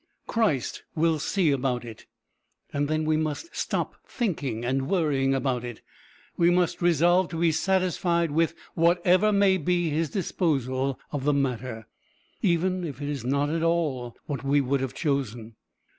Christ will see about it. And then we must stop thinking and worrying about it. We must resolve to be satisfied with whatever may be his disposal of the matter, even if it is not at all what we would have chosen.